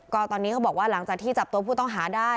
ก็ตอนนี้เขาบอกว่าหลังจากที่จับตัวผู้ต้องหาได้